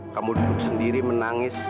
kamu duduk sendiri menangis